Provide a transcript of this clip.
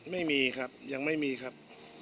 ไม่มีครับยังไม่มีครับ